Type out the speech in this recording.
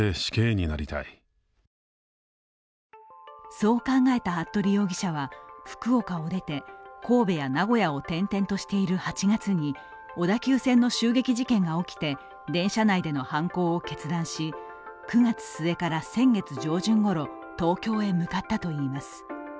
そう考えた服部容疑者は福岡を出て神戸や名古屋を転々としている８月に小田急線の襲撃事件が起きて電車内での犯行を決断し９月末から先月上旬ごろ東京へ向かったといいます。